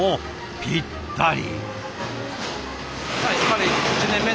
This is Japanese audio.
ぴったり！